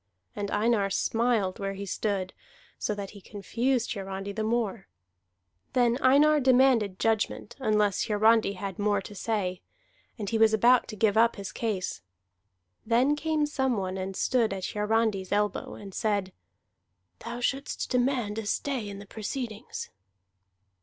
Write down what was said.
And Einar smiled where he stood, so that he confused Hiarandi the more. Then Einar demanded judgment unless Hiarandi had more to say. And he was about to give up his case. Then came some one and stood at Hiarandi's elbow, and said: "Thou shouldst demand a stay in the proceedings."